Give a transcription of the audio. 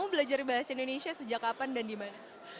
kamu belajar bahasa indonesia sejak kapan dan dimana